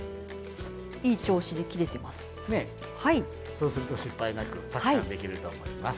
そうすると失敗なくたくさんできると思います。